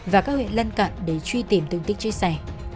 và các huyện lân cận để truy tìm tương tích chia sẻ